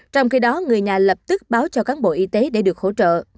trong khi đó người nhà lập tức báo cho cán bộ y tế để được hỗ trợ